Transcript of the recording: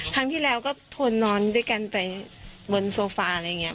ครั้งที่แล้วก็ทวนนอนด้วยกันไปบนโซฟาอะไรอย่างนี้